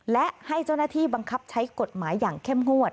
และให้เจ้าหน้าที่บังคับใช้กฎหมายอย่างเข้มงวด